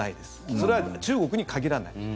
それは中国に限らないです。